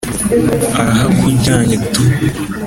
arahakujyanye du .